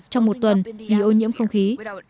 trong một tuần vì ô nhiễm không khí